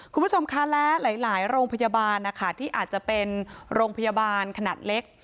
คุณผู้ชมคะและหลายโรงพยาบาลนะคะที่อาจจะเป็นโรงพยาบาลขนาดเล็ก